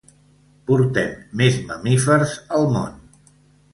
Portem més mamífers al món.